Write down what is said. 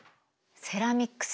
セラミックス。